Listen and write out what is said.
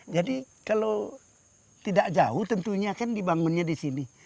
jadi kalau tidak jauh tentunya kan dibangunnya di sini